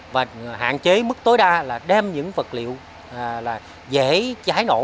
và hạn chế mức tối đa là đem những vật liệu là dễ cháy nổ